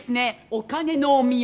お金のお土産。